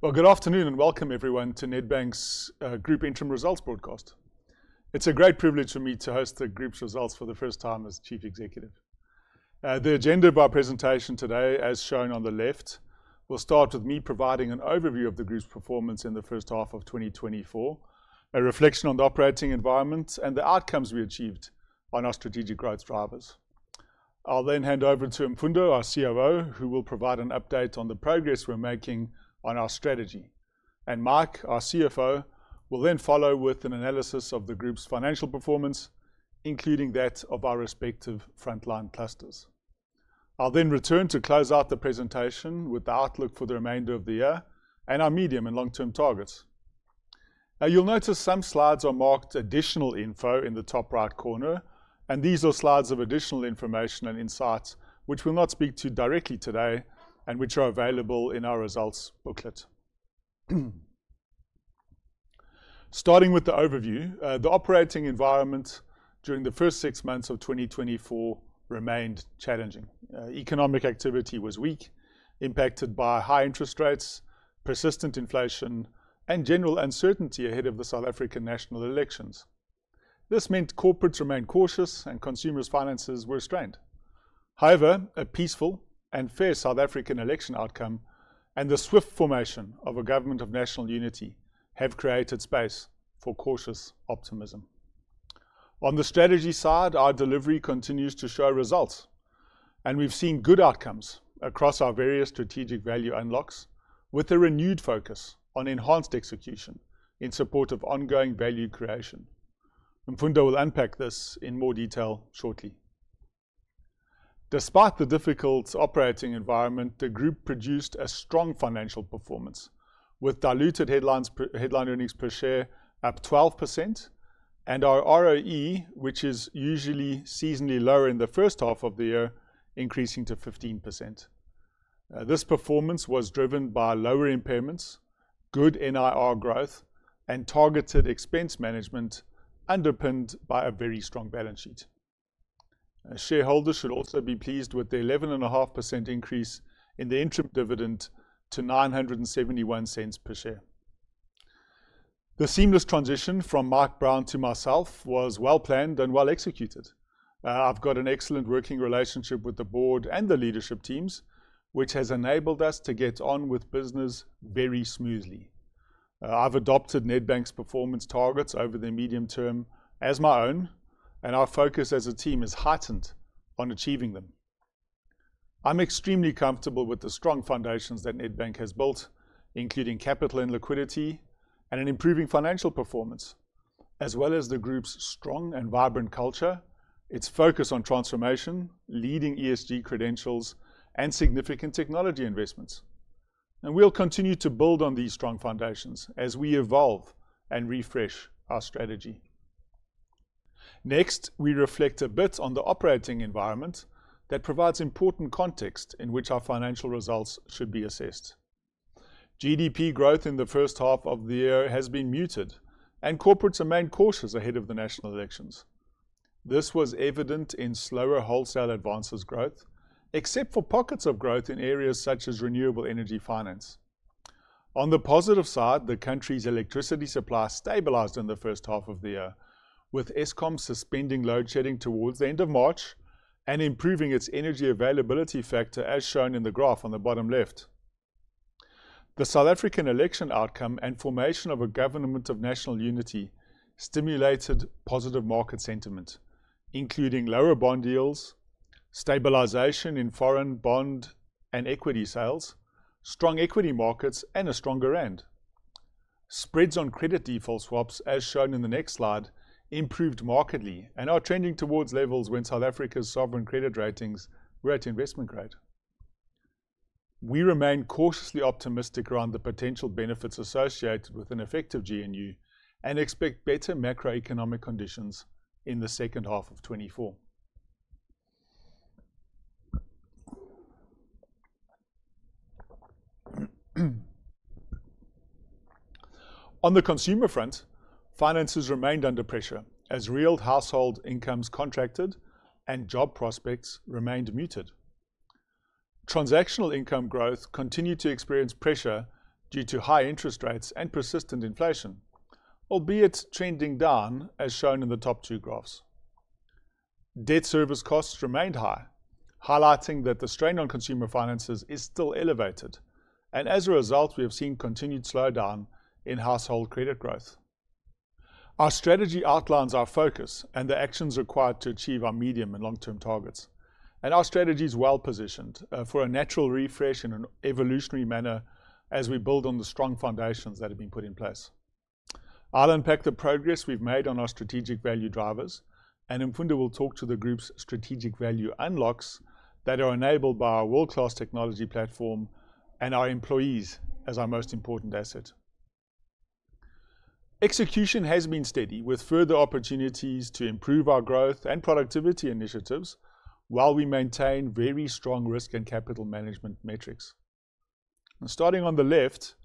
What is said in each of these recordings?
Well, good afternoon, and welcome everyone to Nedbank's group interim results broadcast. It's a great privilege for me to host the group's results for the first time as Chief Executive. The agenda of our presentation today, as shown on the left, will start with me providing an overview of the group's performance in the first half of 2024, a reflection on the operating environment, and the outcomes we achieved on our strategic growth drivers. I'll then hand over to Mfundo, our COO, who will provide an update on the progress we're making on our strategy, and Mike, our CFO, will then follow with an analysis of the group's financial performance, including that of our respective frontline clusters. I'll then return to close out the presentation with the outlook for the remainder of the year and our medium and long-term targets. Now, you'll notice some slides are marked 'additional info' in the top right corner, and these are slides of additional information and insights, which we'll not speak to directly today, and which are available in our results booklet. Starting with the overview, the operating environment during the first six months of 2024 remained challenging. Economic activity was weak, impacted by high interest rates, persistent inflation, and general uncertainty ahead of the South African national elections. This meant corporates remained cautious, and consumers' finances were strained. However, a peaceful and fair South African election outcome and the swift formation of a Government of National Unity have created space for cautious optimism. On the strategy side, our delivery continues to show results, and we've seen good outcomes across our various strategic value unlocks, with a renewed focus on enhanced execution in support of ongoing value creation. Mfundo will unpack this in more detail shortly. Despite the difficult operating environment, the group produced a strong financial performance, with diluted headline earnings per share up 12%, and our ROE, which is usually seasonally lower in the first half of the year, increasing to 15%. This performance was driven by lower impairments, good NIR growth, and targeted expense management, underpinned by a very strong balance sheet. Shareholders should also be pleased with the 11.5% increase in the interim dividend to 9.71 per share. The seamless transition from Mike Brown to myself was well-planned and well-executed. I've got an excellent working relationship with the board and the leadership teams, which has enabled us to get on with business very smoothly. I've adopted Nedbank's performance targets over the medium term as my own, and our focus as a team is heightened on achieving them. I'm extremely comfortable with the strong foundations that Nedbank has built, including capital and liquidity and an improving financial performance, as well as the group's strong and vibrant culture, its focus on transformation, leading ESG credentials, and significant technology investments. We'll continue to build on these strong foundations as we evolve and refresh our strategy. Next, we reflect a bit on the operating environment that provides important context in which our financial results should be assessed. GDP growth in the first half of the year has been muted, and corporates remain cautious ahead of the national elections. This was evident in slower wholesale advances growth, except for pockets of growth in areas such as renewable energy finance. On the positive side, the country's electricity supply stabilized in the first half of the year, with Eskom suspending load shedding towards the end of March and improving its energy availability factor, as shown in the graph on the bottom left. The South African election outcome and formation of a Government of National Unity stimulated positive market sentiment, including lower bond yields, stabilization in foreign bond and equity sales, strong equity markets, and a stronger rand. Spreads on credit default swaps, as shown in the next slide, improved markedly and are trending towards levels when South Africa's sovereign credit ratings were at investment grade. We remain cautiously optimistic around the potential benefits associated with an effective GNU and expect better macroeconomic conditions in the second half of 2024. On the consumer front, finances remained under pressure as real household incomes contracted and job prospects remained muted. Transactional income growth continued to experience pressure due to high interest rates and persistent inflation, albeit trending down, as shown in the top two graphs. Debt service costs remained high, highlighting that the strain on consumer finances is still elevated, and as a result, we have seen continued slowdown in household credit growth. Our strategy outlines our focus and the actions required to achieve our medium and long-term targets, and our strategy is well-positioned for a natural refresh in an evolutionary manner as we build on the strong foundations that have been put in place. I'll unpack the progress we've made on our strategic value drivers, and Mfundo will talk to the group's strategic value unlocks that are enabled by our world-class technology platform and our employees as our most important asset. Execution has been steady, with further opportunities to improve our growth and productivity initiatives while we maintain very strong risk and capital management metrics. Starting on the left,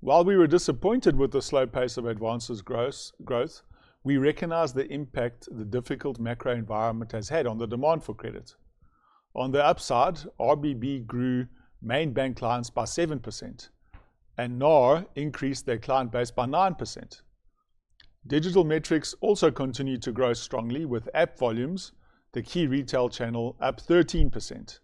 while we were disappointed with the slow pace of advances gross, growth, we recognize the impact the difficult macro environment has had on the demand for credit. On the upside, RBB grew main bank clients by 7%, and NAR increased their client base by 9%. Digital metrics also continued to grow strongly, with app volumes, the key retail channel, up 13%.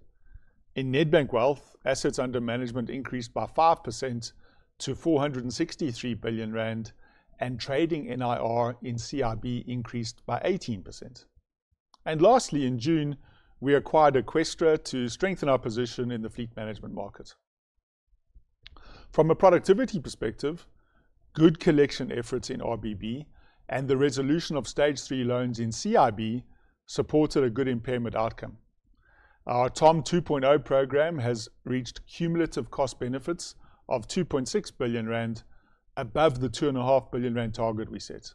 In Nedbank Wealth, assets under management increased by 5% to 463 billion rand, and trading NIR in CIB increased by 18%. Lastly, in June, we acquired Eqstra to strengthen our position in the fleet management market. From a productivity perspective, good collection efforts in RBB and the resolution of Stage 3 loans in CIB supported a good impairment outcome. Our TOM 2.0 program has reached cumulative cost benefits of 2.6 billion rand, above the 2.5 billion rand target we set.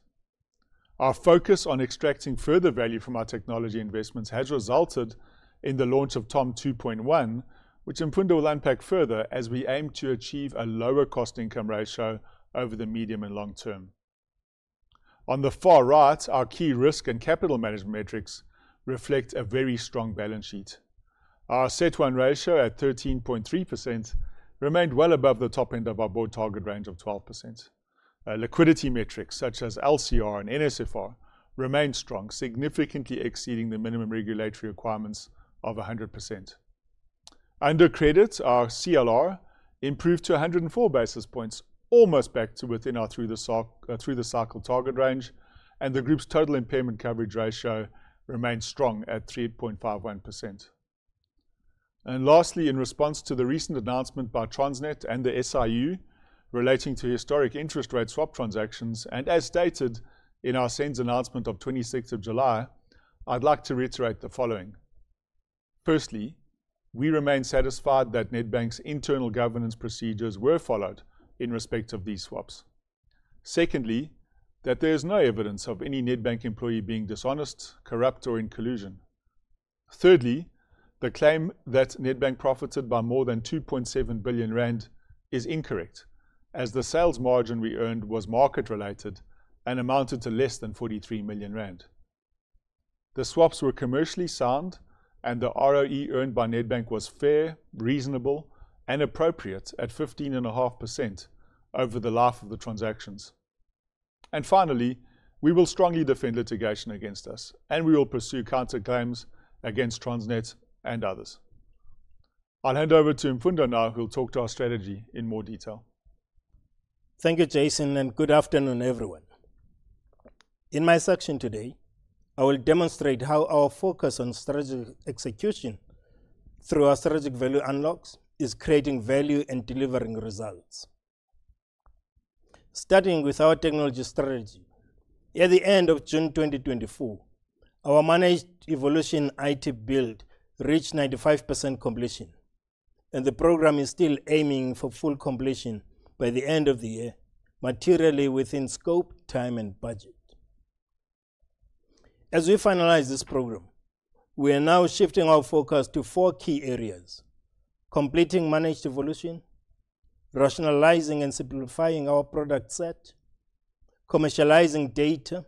Our focus on extracting further value from our technology investments has resulted in the launch of TOM 2.1, which Mfundo will unpack further as we aim to achieve a lower cost income ratio over the medium and long term. On the far right, our key risk and capital management metrics reflect a very strong balance sheet. Our CET 1 ratio at 13.3% remained well above the top end of our board target range of 12%. Our liquidity metrics, such as LCR and NSFR, remain strong, significantly exceeding the minimum regulatory requirements of 100%. Under credit, our CLR improved to 104 basis points, almost back to within our through the cycle target range, and the group's total impairment coverage ratio remains strong at 3.51%. And lastly, in response to the recent announcement by Transnet and the SIU relating to historic interest rate swap transactions, and as stated in our SENS announcement of 26th of July, I'd like to reiterate the following. Firstly, we remain satisfied that Nedbank's internal governance procedures were followed in respect of these swaps. Secondly, that there is no evidence of any Nedbank employee being dishonest, corrupt, or in collusion. Thirdly, the claim that Nedbank profited by more than 2.7 billion rand is incorrect, as the sales margin we earned was market-related and amounted to less than 43 million rand. The swaps were commercially sound, and the ROE earned by Nedbank was fair, reasonable, and appropriate at 15.5% over the life of the transactions. And finally, we will strongly defend litigation against us, and we will pursue counterclaims against Transnet and others. I'll hand over to Mfundo now, who'll talk to our strategy in more detail. Thank you, Jason, and good afternoon, everyone. In my section today, I will demonstrate how our focus on strategic execution through our strategic value unlocks is creating value and delivering results. Starting with our technology strategy, at the end of June 2024, our Managed Evolution IT build reached 95% completion, and the program is still aiming for full completion by the end of the year, materially within scope, time, and budget. As we finalize this program, we are now shifting our focus to four key areas: completing Managed Evolution, rationalizing and simplifying our product set, commercializing data,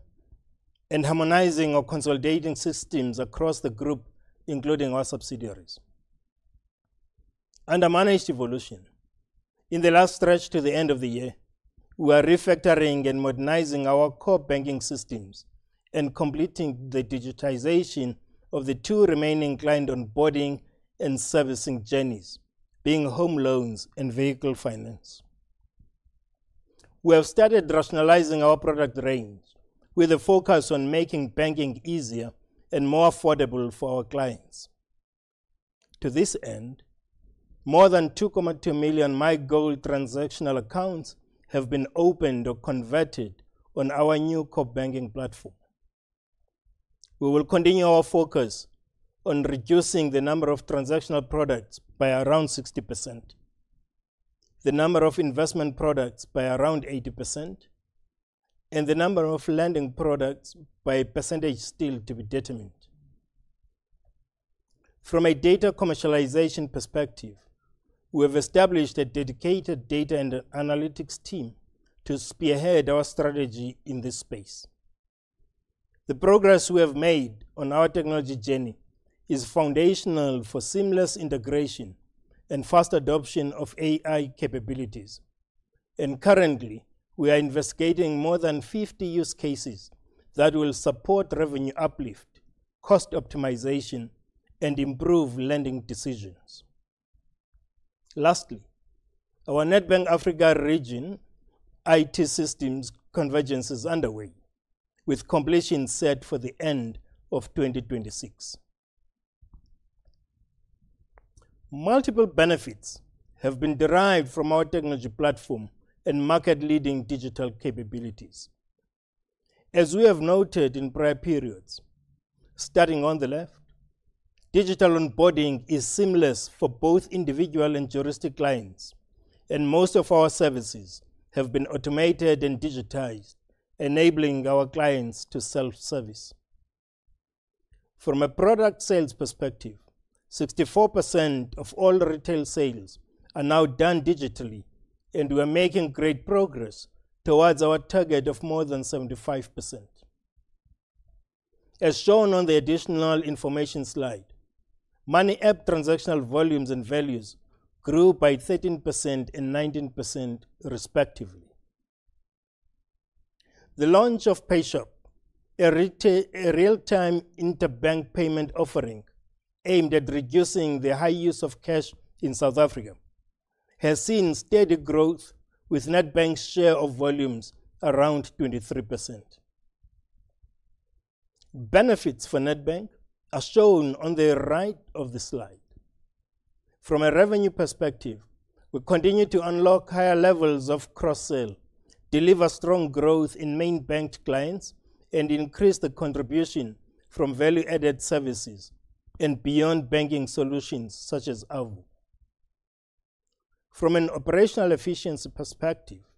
and harmonizing or consolidating systems across the group, including our subsidiaries. Under Managed Evolution, in the last stretch to the end of the year, we are refactoring and modernizing our core banking systems and completing the digitization of the two remaining client onboarding and servicing journeys, being home loans and vehicle finance. We have started rationalizing our product range with a focus on making banking easier and more affordable for our clients. To this end, more than 2.2 million MiGoals transactional accounts have been opened or converted on our new core banking platform. We will continue our focus on reducing the number of transactional products by around 60%, the number of investment products by around 80%, and the number of lending products by a percentage still to be determined. From a data commercialization perspective, we have established a dedicated data and analytics team to spearhead our strategy in this space. The progress we have made on our technology journey is foundational for seamless integration and fast adoption of AI capabilities. Currently, we are investigating more than 50 use cases that will support revenue uplift, cost optimization, and improve lending decisions. Lastly, our Nedbank Africa region IT systems convergence is underway, with completion set for the end of 2026. Multiple benefits have been derived from our technology platform and market-leading digital capabilities. As we have noted in prior periods, starting on the left, digital onboarding is seamless for both individual and juristic clients, and most of our services have been automated and digitized, enabling our clients to self-service. From a product sales perspective, 64% of all retail sales are now done digitally... and we're making great progress towards our target of more than 75%. As shown on the additional information slide, Money App transactional volumes and values grew by 13% and 19% respectively. The launch of PayShap, a real-time interbank payment offering aimed at reducing the high use of cash in South Africa, has seen steady growth, with Nedbank's share of volumes around 23%. Benefits for Nedbank are shown on the right of the slide. From a revenue perspective, we continue to unlock higher levels of cross-sell, deliver strong growth in main banked clients, and increase the contribution from value-added services and beyond banking solutions, such as Avo. From an operational efficiency perspective,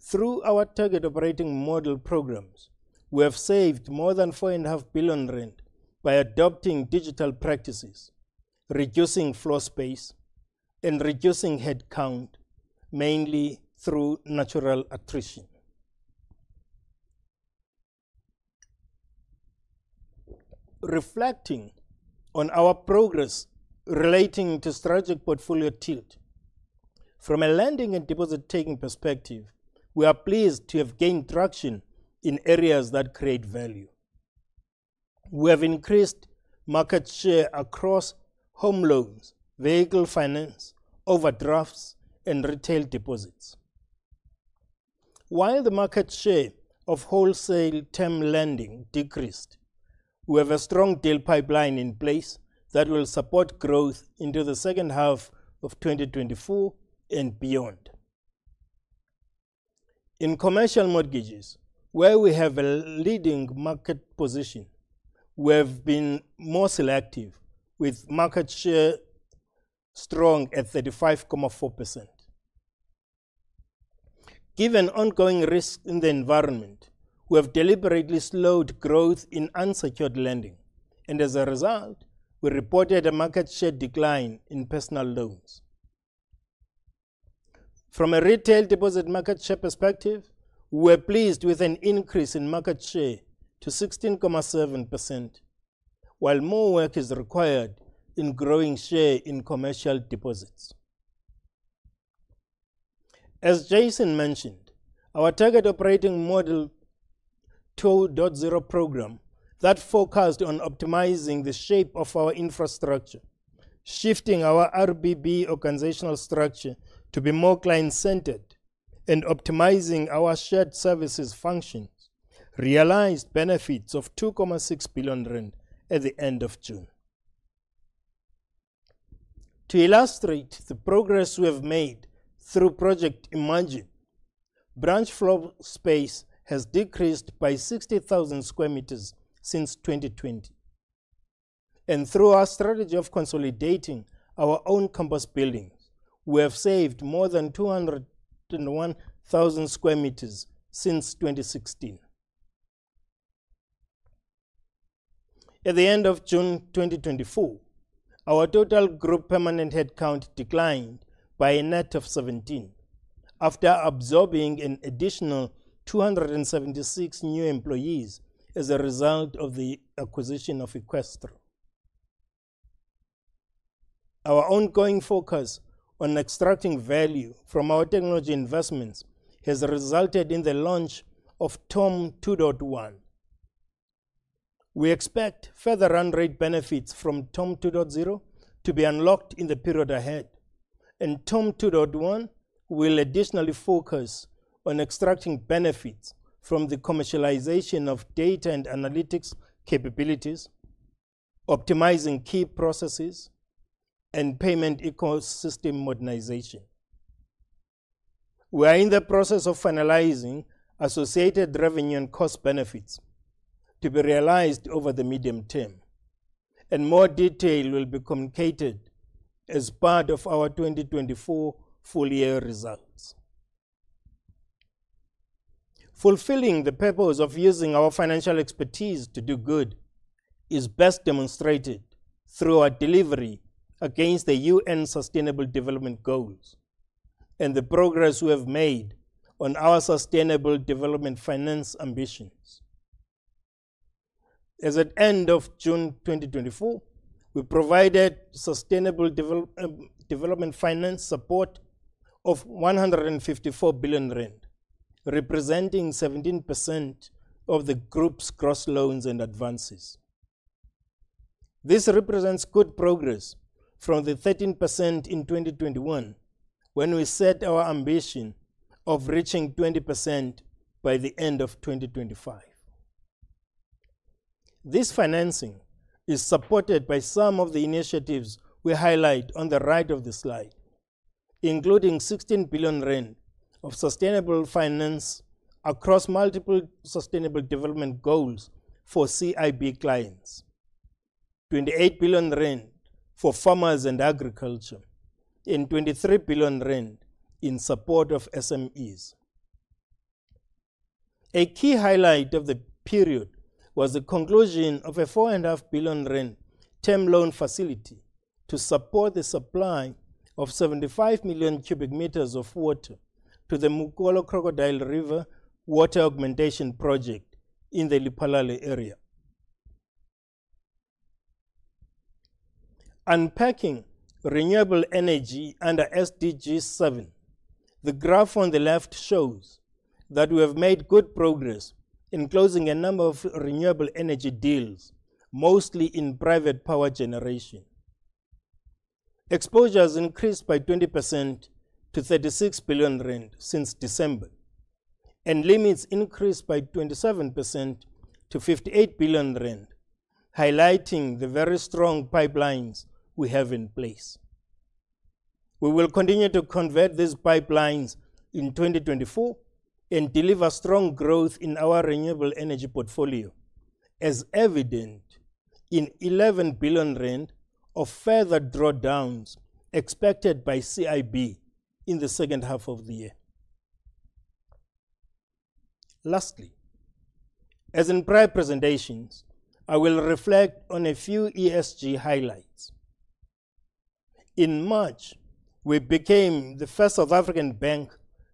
through our target operating model programs, we have saved more than 4.5 billion rand by adopting digital practices, reducing floor space, and reducing headcount, mainly through natural attrition. Reflecting on our progress relating to strategic portfolio tilt, from a lending and deposit-taking perspective, we are pleased to have gained traction in areas that create value. We have increased market share across home loans, vehicle finance, overdrafts, and retail deposits. While the market share of wholesale term lending decreased, we have a strong deal pipeline in place that will support growth into the second half of 2024 and beyond. In commercial mortgages, where we have a leading market position, we have been more selective, with market share strong at 35.4%. Given ongoing risks in the environment, we have deliberately slowed growth in unsecured lending, and as a result, we reported a market share decline in personal loans. From a retail deposit market share perspective, we're pleased with an increase in market share to 16.7%, while more work is required in growing share in commercial deposits. As Jason mentioned, our Target Operating Model 2.0 program that focused on optimizing the shape of our infrastructure, shifting our RBB organizational structure to be more client-centered and optimizing our shared services functions, realized benefits of 2.6 billion rand at the end of June. To illustrate the progress we have made through Project Imagine, branch floor space has decreased by 60,000 square meters since 2020, and through our strategy of consolidating our own campus buildings, we have saved more than 201,000 sqm since 2016. At the end of June 2024, our total group permanent headcount declined by a net of 17, after absorbing an additional 276 new employees as a result of the acquisition of Eqstra. Our ongoing focus on extracting value from our technology investments has resulted in the launch of TOM 2.1. We expect further run rate benefits from TOM 2.0 to be unlocked in the period ahead, and TOM 2.1 will additionally focus on extracting benefits from the commercialization of data and analytics capabilities, optimizing key processes, and payment ecosystem modernization. We are in the process of finalizing associated revenue and cost benefits to be realized over the medium term, and more detail will be communicated as part of our 2024 full year results. Fulfilling the purpose of using our financial expertise to do good is best demonstrated through our delivery against the UN Sustainable Development Goals and the progress we have made on our sustainable development finance ambitions. As at end of June 2024, we provided sustainable development finance support of 154 billion rand, representing 17% of the group's gross loans and advances. This represents good progress from the 13% in 2021, when we set our ambition of reaching 20% by the end of 2025. This financing is supported by some of the initiatives we highlight on the right of the slide, including 16 billion rand of sustainable finance across multiple sustainable development goals for CIB clients, 28 billion rand for farmers and agriculture, and 23 billion rand in support of SMEs. A key highlight of the period was the conclusion of a 4.5 billion rand term loan facility to support the supply of 75 million cubic meters of water to the Mokolo-Crocodile River Water Augmentation Project in the Lephalale area. Unpacking renewable energy under SDG 7, the graph on the left shows that we have made good progress in closing a number of renewable energy deals, mostly in private power generation. Exposure has increased by 20% to 36 billion rand since December, and limits increased by 27% to 58 billion rand, highlighting the very strong pipelines we have in place. We will continue to convert these pipelines in 2024 and deliver strong growth in our renewable energy portfolio, as evident in 11 billion rand of further drawdowns expected by CIB in the second half of the year. Lastly, as in prior presentations, I will reflect on a few ESG highlights. In March, we became the first South African bank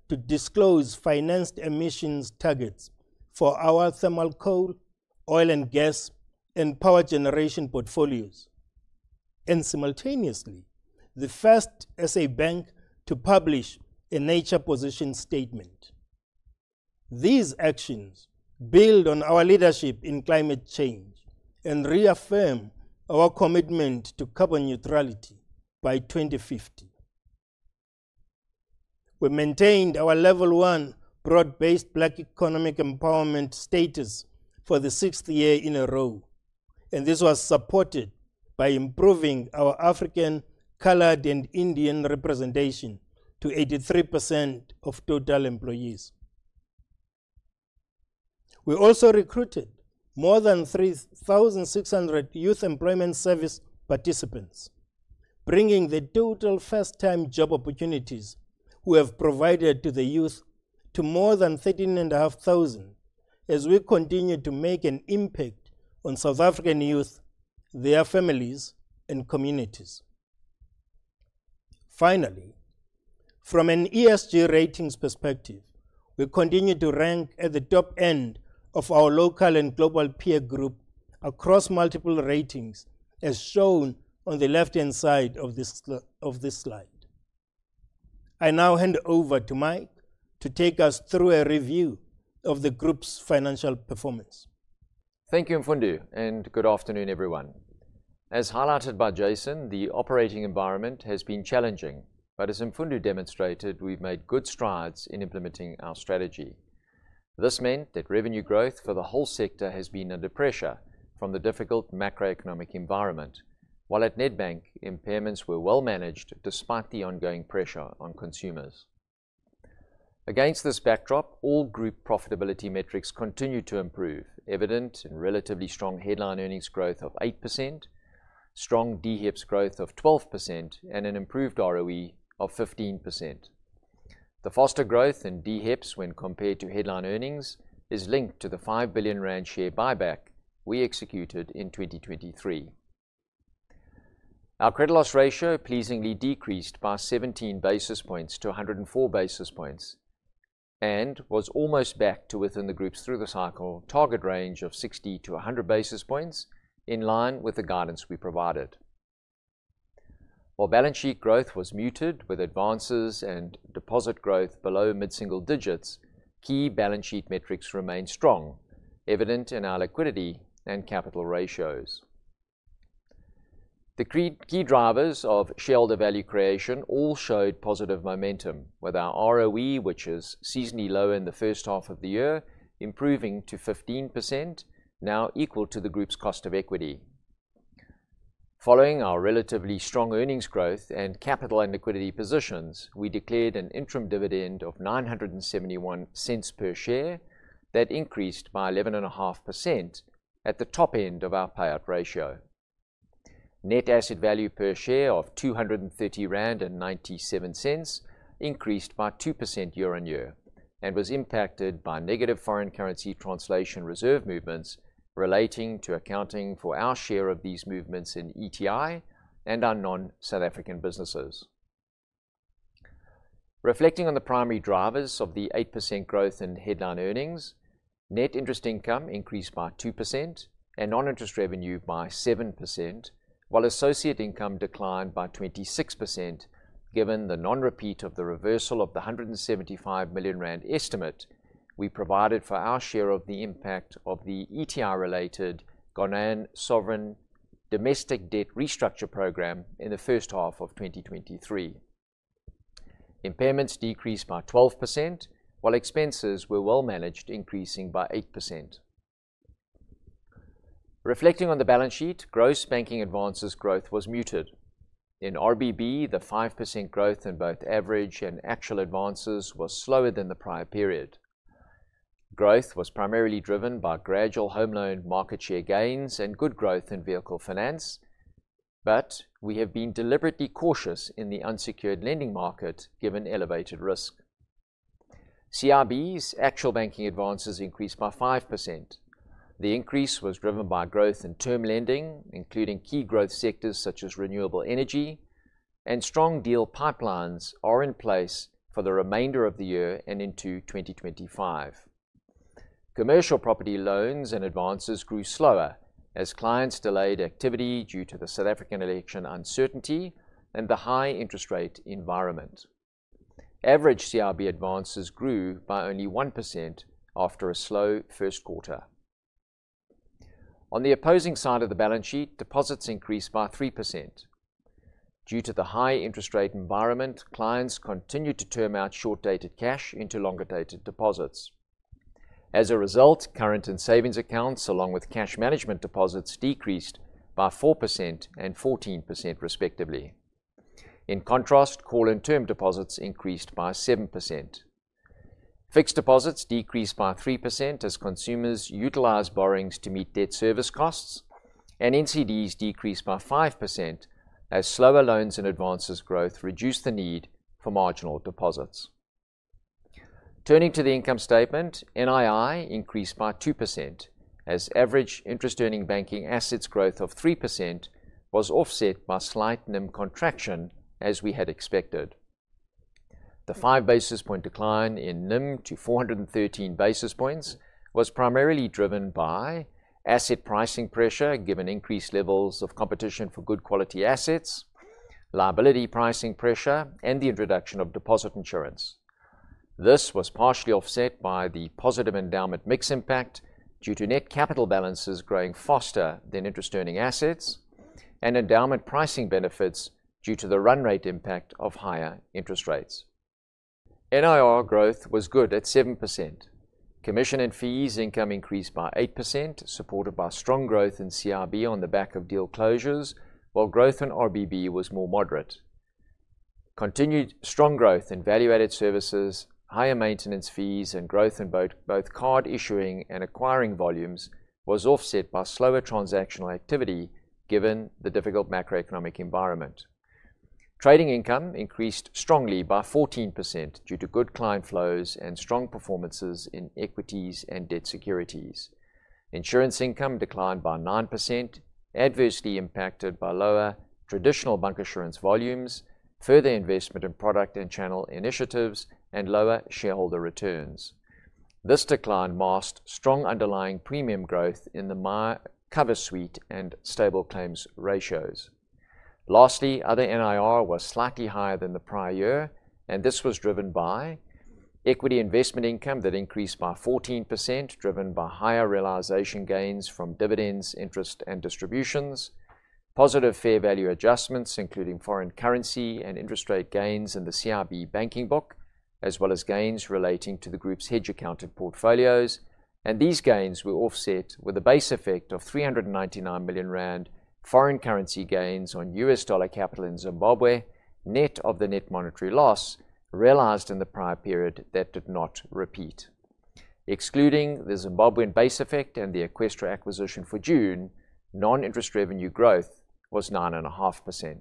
to disclose financed emissions targets for our thermal coal, oil and gas, and power generation portfolios, and simultaneously, the first SA bank to publish a nature position statement. These actions build on our leadership in climate change and reaffirm our commitment to carbon neutrality by 2050. We maintained our level one broad-based Black economic empowerment status for the 6th year in a row, and this was supported by improving our African, Colored, and Indian representation to 83% of total employees. We also recruited more than 3,600 Youth Employment Service participants, bringing the total first-time job opportunities we have provided to the youth to more than 13,500, as we continue to make an impact on South African youth, their families, and communities. Finally, from an ESG ratings perspective, we continue to rank at the top end of our local and global peer group across multiple ratings, as shown on the left-hand side of this slide. I now hand over to Mike to take us through a review of the group's financial performance. Thank you, Mfundo, and good afternoon, everyone. As highlighted by Jason, the operating environment has been challenging, but as Mfundo demonstrated, we've made good strides in implementing our strategy. This meant that revenue growth for the whole sector has been under pressure from the difficult macroeconomic environment, while at Nedbank, impairments were well managed despite the ongoing pressure on consumers. Against this backdrop, all group profitability metrics continued to improve, evident in relatively strong headline earnings growth of 8%, strong DHEPS growth of 12%, and an improved ROE of 15%. The faster growth in DHEPS when compared to headline earnings is linked to the 5 billion rand share buyback we executed in 2023. Our credit loss ratio pleasingly decreased by 17 basis points to 104 basis points and was almost back to within the group's through-the-cycle target range of 60-100 basis points, in line with the guidance we provided. While balance sheet growth was muted, with advances and deposit growth below mid-single digits, key balance sheet metrics remained strong, evident in our liquidity and capital ratios. Key drivers of shareholder value creation all showed positive momentum, with our ROE, which is seasonally low in the first half of the year, improving to 15%, now equal to the group's cost of equity. Following our relatively strong earnings growth and capital and liquidity positions, we declared an interim dividend of 9.71 per share. That increased by 11.5% at the top end of our payout ratio. Net asset value per share of 230.97 rand increased by 2% year-on-year and was impacted by negative foreign currency translation reserve movements relating to accounting for our share of these movements in ETI and our non-South African businesses. Reflecting on the primary drivers of the 8% growth in headline earnings, net interest income increased by 2% and non-interest revenue by 7%, while associate income declined by 26%, given the non-repeat of the reversal of the 175 million rand estimate we provided for our share of the impact of the ETI-related Ghanaian Sovereign Domestic Debt Restructure program in the first half of 2023. Impairments decreased by 12%, while expenses were well managed, increasing by 8%. Reflecting on the balance sheet, gross banking advances growth was muted. In RBB, the 5% growth in both average and actual advances was slower than the prior period. Growth was primarily driven by gradual home loan market share gains and good growth in vehicle finance, but we have been deliberately cautious in the unsecured lending market, given elevated risk. CIB's actual banking advances increased by 5%. The increase was driven by growth in term lending, including key growth sectors such as renewable energy, and strong deal pipelines are in place for the remainder of the year and into 2025. Commercial property loans and advances grew slower as clients delayed activity due to the South African election uncertainty and the high interest rate environment. Average CIB advances grew by only 1% after a slow first quarter. On the opposing side of the balance sheet, deposits increased by 3%. Due to the high interest rate environment, clients continued to term out short-dated cash into longer-dated deposits. As a result, current and savings accounts, along with cash management deposits, decreased by 4% and 14% respectively. In contrast, Call and term deposits increased by 7%. Fixed deposits decreased by 3% as consumers utilized borrowings to meet debt service costs, and NCDs decreased by 5% as slower loans and advances growth reduced the need for marginal deposits. Turning to the income statement, NII increased by 2%, as average interest-earning banking assets growth of 3% was offset by slight NIM contraction, as we had expected. The five basis points decline in NIM to 413 basis points was primarily driven by asset pricing pressure, given increased levels of competition for good quality assets, liability pricing pressure, and the introduction of deposit insurance. This was partially offset by the positive endowment mix impact due to net capital balances growing faster than interest-earning assets and endowment pricing benefits due to the run rate impact of higher interest rates. NIR growth was good at 7%. Commission and fees income increased by 8%, supported by strong growth in CIB on the back of deal closures, while growth in RBB was more moderate. Continued strong growth in value-added services, higher maintenance fees, and growth in both card issuing and acquiring volumes was offset by slower transactional activity, given the difficult macroeconomic environment. Trading income increased strongly by 14% due to good client flows and strong performances in equities and debt securities. Insurance income declined by 9%, adversely impacted by lower traditional bank insurance volumes, further investment in product and channel initiatives, and lower shareholder returns. This decline masked strong underlying premium growth in the MyCover suite and stable claims ratios. Lastly, other NIR was slightly higher than the prior year, and this was driven by equity investment income that increased by 14%, driven by higher realization gains from dividends, interest, and distributions. Positive fair value adjustments, including foreign currency and interest rate gains in the CIB banking book, as well as gains relating to the group's hedge accounted portfolios, and these gains were offset with a base effect of 399 million rand foreign currency gains on U.S. dollar capital in Zimbabwe, net of the net monetary loss realized in the prior period that did not repeat. Excluding the Zimbabwean base effect and the Eqstra acquisition for June, non-interest revenue growth was 9.5%.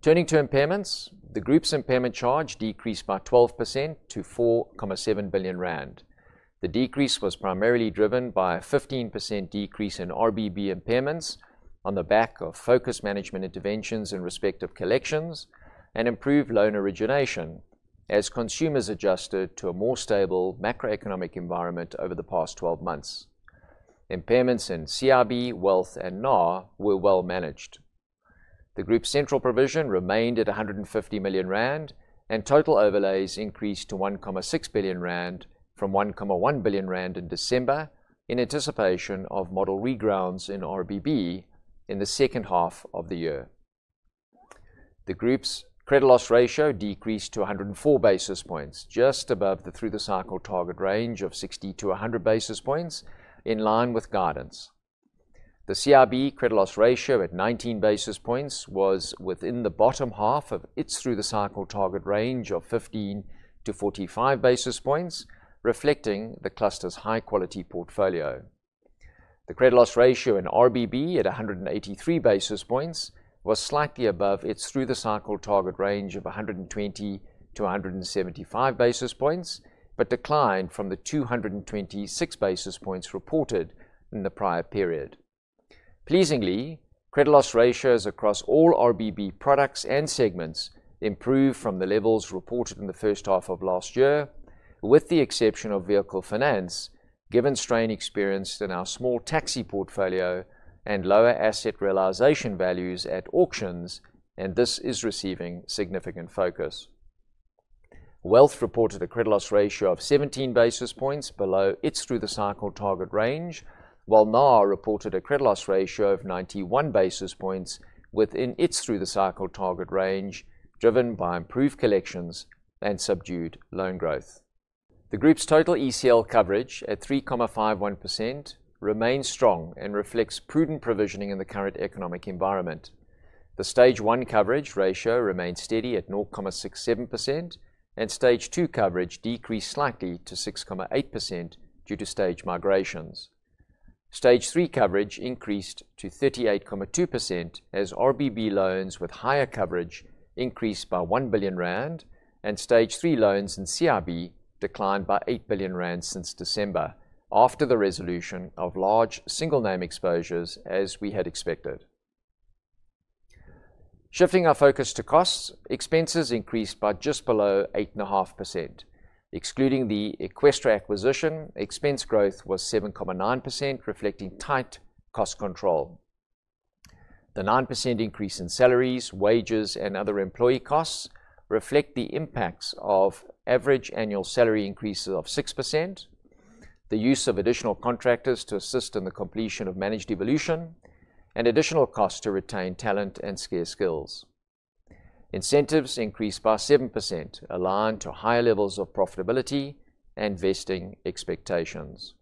Turning to impairments, the group's impairment charge decreased by 12% to 4.7 billion rand. The decrease was primarily driven by a 15% decrease in RBB impairments on the back of focused management interventions in respect of collections and improved loan origination as consumers adjusted to a more stable macroeconomic environment over the past 12 months. Impairments in CIB, Wealth, and NA were well managed. The group's central provision remained at 150 million rand, and total overlays increased to 1.6 billion rand from 1.1 billion rand in December, in anticipation of model regrounds in RBB in the second half of the year. The group's credit loss ratio decreased to 104 basis points, just above the through-the-cycle target range of 60-100 basis points, in line with guidance. The CIB credit loss ratio at 19 basis points was within the bottom half of its through-the-cycle target range of 15-45 basis points, reflecting the cluster's high-quality portfolio. The credit loss ratio in RBB at 183 basis points was slightly above its through-the-cycle target range of 120-175 basis points, but declined from the 226 basis points reported in the prior period. Pleasingly, credit loss ratios across all RBB products and segments improved from the levels reported in the first half of last year, with the exception of vehicle finance, given strain experienced in our small taxi portfolio and lower asset realization values at auctions, and this is receiving significant focus. Wealth reported a credit loss ratio of 17 basis points below its through-the-cycle target range, while NAR reported a credit loss ratio of 91 basis points within its through-the-cycle target range, driven by improved collections and subdued loan growth. The group's total ECL coverage at 3.51% remains strong and reflects prudent provisioning in the current economic environment. The Stage 1 coverage ratio remained steady at 0.67%, and Stage 2 coverage decreased slightly to 6.8% due to stage migrations. Stage 3 coverage increased to 38.2% as RBB loans with higher coverage increased by 1 billion rand, and Stage 3 loans in CIB declined by 8 billion rand since December, after the resolution of large single name exposures, as we had expected. Shifting our focus to costs, expenses increased by just below 8.5%. Excluding the Eqstra acquisition, expense growth was 7.9%, reflecting tight cost control. The 9% increase in salaries, wages, and other employee costs reflect the impacts of average annual salary increases of 6%, the use of additional contractors to assist in the completion of Managed Evolution, and additional costs to retain talent and scarce skills. Incentives increased by 7%, aligned to higher levels of profitability and vesting expectations.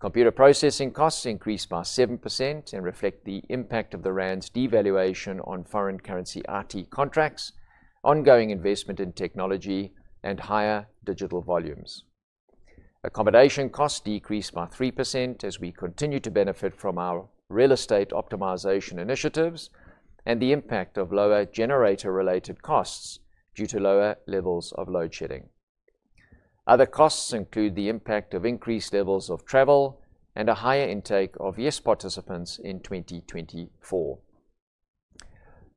Computer processing costs increased by 7% and reflect the impact of the rand's devaluation on foreign currency IT contracts, ongoing investment in technology, and higher digital volumes. Accommodation costs decreased by 3% as we continue to benefit from our real estate optimization initiatives and the impact of lower generator-related costs due to lower levels of load shedding. Other costs include the impact of increased levels of travel and a higher intake of YES participants in 2024.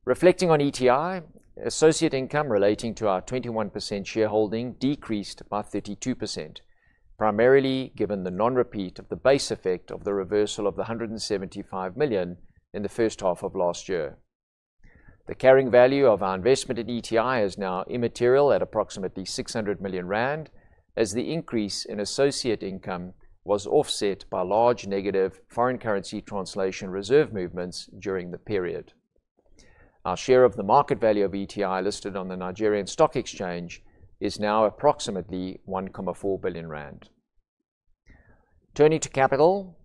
Reflecting on ETI, associate income relating to our 21% shareholding decreased by 32%, primarily given the non-repeat of the base effect of the reversal of the 175 million in the first half of last year. The carrying value of our investment in ETI is now immaterial at approximately 600 million rand, as the increase in associate income was offset by large negative foreign currency translation reserve movements during the period. Our share of the market value of ETI listed on the Nigerian Stock Exchange is now approximately 1.4 billion rand. Turning to capital,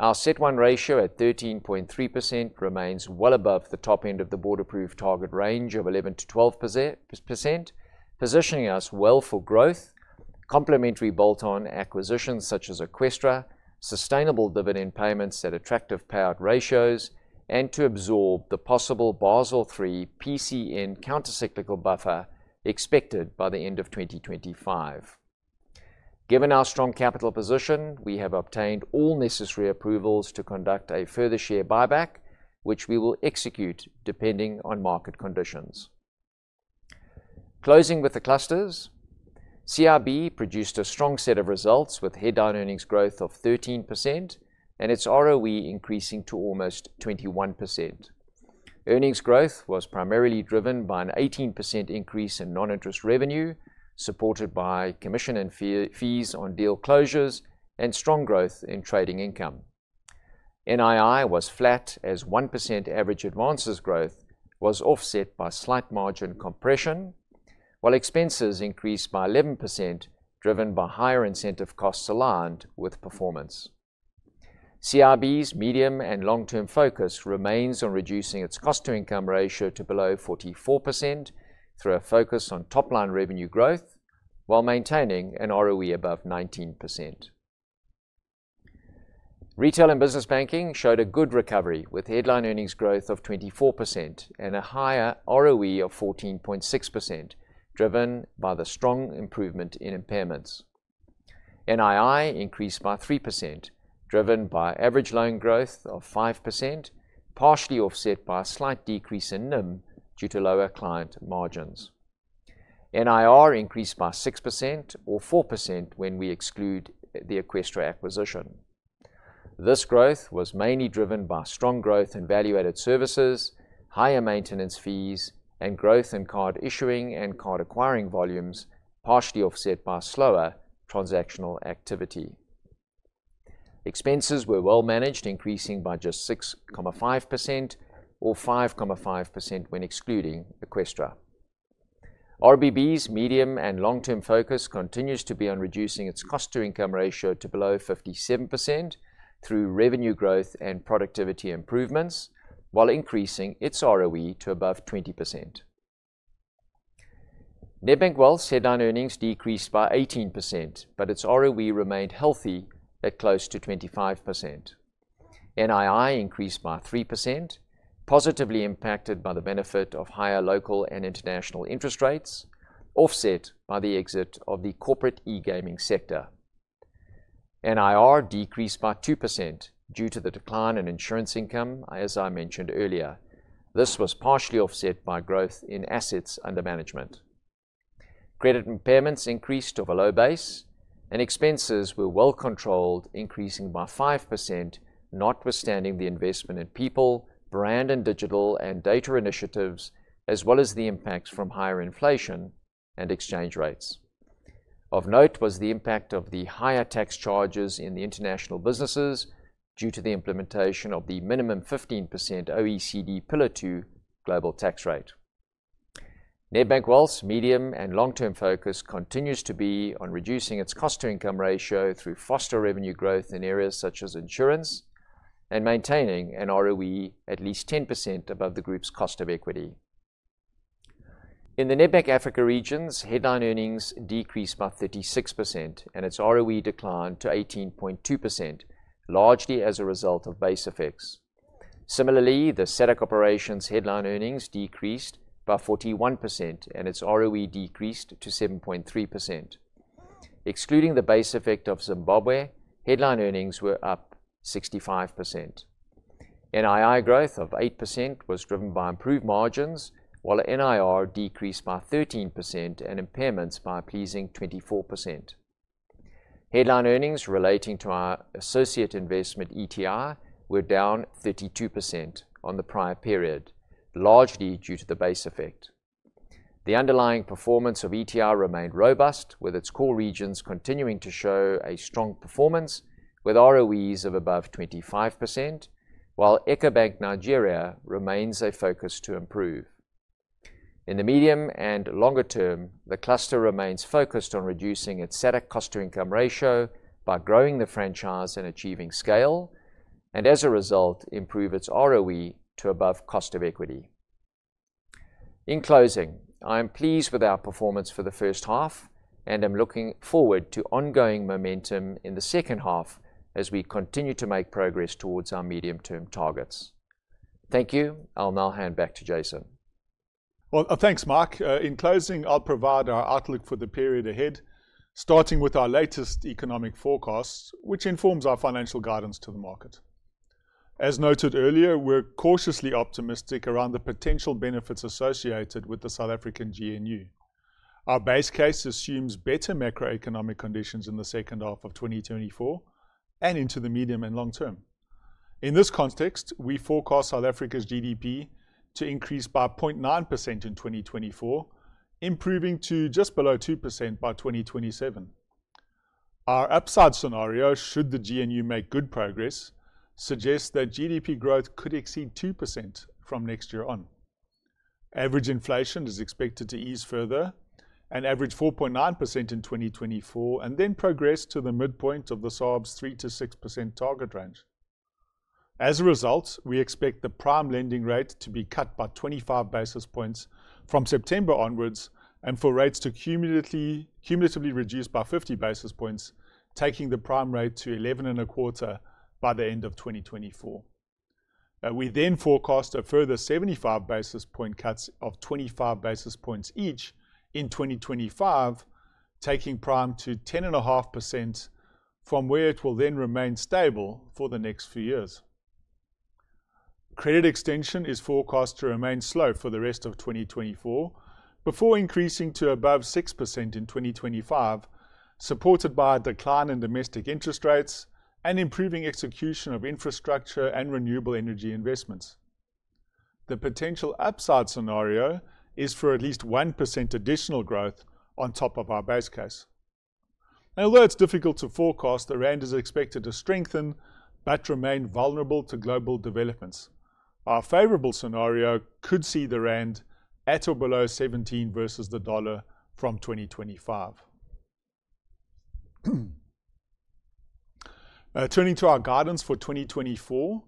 our CET 1 ratio at 13.3% remains well above the top end of the board-approved target range of 11%-12%, positioning us well for growth, complementary bolt-on acquisitions such as Eqstra, sustainable dividend payments at attractive payout ratios, and to absorb the possible Basel III PCN countercyclical buffer expected by the end of 2025. Given our strong capital position, we have obtained all necessary approvals to conduct a further share buyback, which we will execute depending on market conditions. Closing with the clusters, CIB produced a strong set of results, with headline earnings growth of 13% and its ROE increasing to almost 21%. Earnings growth was primarily driven by an 18% increase in non-interest revenue, supported by commission and fee, fees on deal closures and strong growth in trading income. NII was flat as 1% average advances growth was offset by slight margin compression, while expenses increased by 11%, driven by higher incentive costs aligned with performance. CIB's medium- and long-term focus remains on reducing its cost-to-income ratio to below 44% through a focus on top-line revenue growth while maintaining an ROE above 19%. Retail and business banking showed a good recovery, with headline earnings growth of 24% and a higher ROE of 14.6%, driven by the strong improvement in impairments. NII increased by 3%, driven by average loan growth of 5%, partially offset by a slight decrease in NIM due to lower client margins. NIR increased by 6% or 4% when we exclude the Eqstra acquisition. This growth was mainly driven by strong growth in value-added services, higher maintenance fees, and growth in card issuing and card acquiring volumes, partially offset by slower transactional activity. Expenses were well managed, increasing by just 6.5% or 5.5% when excluding Eqstra. RBB's medium and long-term focus continues to be on reducing its cost-to-income ratio to below 57% through revenue growth and productivity improvements, while increasing its ROE to above 20%. Nedbank Wealth's headline earnings decreased by 18%, but its ROE remained healthy at close to 25%. NII increased by 3%, positively impacted by the benefit of higher local and international interest rates, offset by the exit of the corporate e-gaming sector. NIR decreased by 2% due to the decline in insurance income, as I mentioned earlier. This was partially offset by growth in assets under management. Credit impairments increased off a low base, and expenses were well controlled, increasing by 5%, notwithstanding the investment in people, brand and digital and data initiatives, as well as the impacts from higher inflation and exchange rates. Of note was the impact of the higher tax charges in the international businesses due to the implementation of the minimum 15% OECD Pillar Two global tax rate. Nedbank Wealth's medium- and long-term focus continues to be on reducing its cost-to-income ratio through fostering revenue growth in areas such as insurance, and maintaining an ROE at least 10% above the group's cost of equity. In the Nedbank Africa regions, headline earnings decreased by 36%, and its ROE declined to 18.2%, largely as a result of base effects. Similarly, the SADC operations headline earnings decreased by 41%, and its ROE decreased to 7.3%. Excluding the base effect of Zimbabwe, headline earnings were up 65%. NII growth of 8% was driven by improved margins, while NIR decreased by 13% and impairments by a pleasing 24%. Headline earnings relating to our associate investment, ETI, were down 32% on the prior period, largely due to the base effect. The underlying performance of ETI remained robust, with its core regions continuing to show a strong performance, with ROEs of above 25%, while Ecobank Nigeria remains a focus to improve. In the medium and longer term, the cluster remains focused on reducing its SADC cost-to-income ratio by growing the franchise and achieving scale, and as a result, improve its ROE to above cost of equity. In closing, I am pleased with our performance for the first half, and I'm looking forward to ongoing momentum in the second half as we continue to make progress towards our medium-term targets. Thank you. I'll now hand back to Jason. Well, thanks, Mike. In closing, I'll provide our outlook for the period ahead, starting with our latest economic forecast, which informs our financial guidance to the market. As noted earlier, we're cautiously optimistic around the potential benefits associated with the South African GNU. Our base case assumes better macroeconomic conditions in the second half of 2024 and into the medium and long term. In this context, we forecast South Africa's GDP to increase by 0.9% in 2024, improving to just below 2% by 2027. Our upside scenario, should the GNU make good progress, suggests that GDP growth could exceed 2% from next year on. Average inflation is expected to ease further, and average 4.9% in 2024, and then progress to the midpoint of the SARB's 3%-6% target range. As a result, we expect the Prime lending rate to be cut by 25 basis points from September onwards, and for rates to cumulatively reduce by 50 basis points, taking the Prime rate to 11.25 by the end of 2024. We then forecast a further 75 basis point cuts of 25 basis points each in 2025, taking Prime to 10.5%, from where it will then remain stable for the next few years. Credit extension is forecast to remain slow for the rest of 2024, before increasing to above 6% in 2025, supported by a decline in domestic interest rates and improving execution of infrastructure and renewable energy investments. The potential upside scenario is for at least 1% additional growth on top of our base case. Now, although it's difficult to forecast, the rand is expected to strengthen but remain vulnerable to global developments. Our favorable scenario could see the rand at or below 17 versus the dollar from 2025. Turning to our guidance for 2024,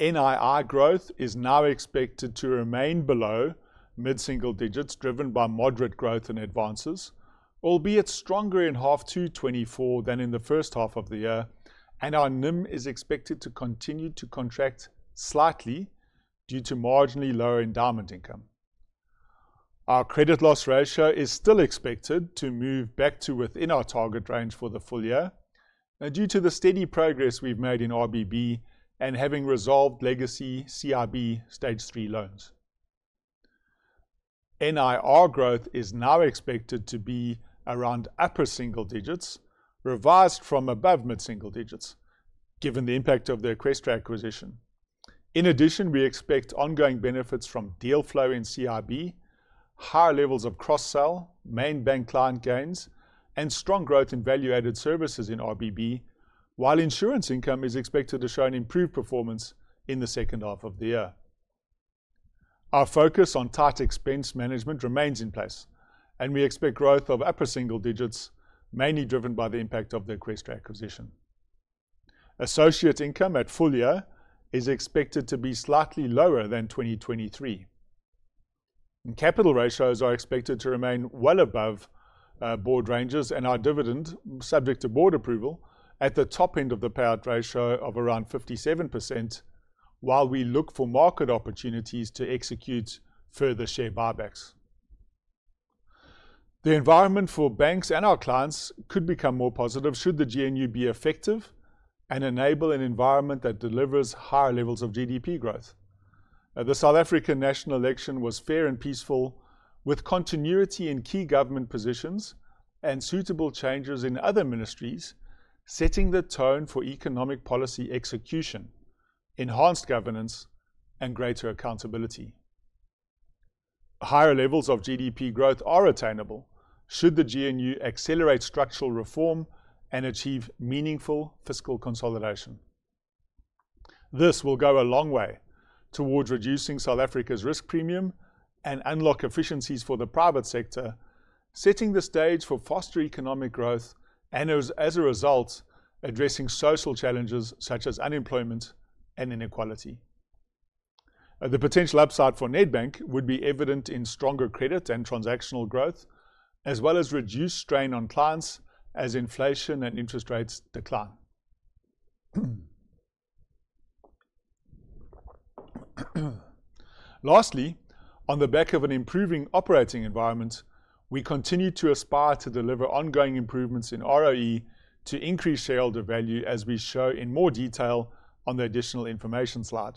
NII growth is now expected to remain below mid-single digits, driven by moderate growth in advances, albeit stronger in half two 2024 than in the first half of the year, and our NIM is expected to continue to contract slightly due to marginally lower endowment income. Our credit loss ratio is still expected to move back to within our target range for the full year, due to the steady progress we've made in RBB and having resolved legacy CIB Stage 3 loans. NIR growth is now expected to be around upper single digits, revised from above mid-single digits, given the impact of the Eqstra acquisition. In addition, we expect ongoing benefits from deal flow in CIB, higher levels of cross-sell, main bank client gains, and strong growth in value-added services in RBB, while insurance income is expected to show an improved performance in the second half of the year. Our focus on tight expense management remains in place, and we expect growth of upper single digits, mainly driven by the impact of the Eqstra acquisition. Associate income at full year is expected to be slightly lower than 2023. Capital ratios are expected to remain well above board ranges, and our dividend, subject to board approval, at the top end of the payout ratio of around 57%, while we look for market opportunities to execute further share buybacks. The environment for banks and our clients could become more positive should the GNU be effective and enable an environment that delivers higher levels of GDP growth. The South African national election was fair and peaceful, with continuity in key government positions and suitable changes in other ministries, setting the tone for economic policy execution, enhanced governance, and greater accountability. Higher levels of GDP growth are attainable should the GNU accelerate structural reform and achieve meaningful fiscal consolidation. This will go a long way towards reducing South Africa's risk premium and unlock efficiencies for the private sector, setting the stage for faster economic growth, and as a result, addressing social challenges such as unemployment and inequality. The potential upside for Nedbank would be evident in stronger credit and transactional growth, as well as reduced strain on clients as inflation and interest rates decline. Lastly, on the back of an improving operating environment, we continue to aspire to deliver ongoing improvements in ROE to increase shareholder value, as we show in more detail on the additional information slide.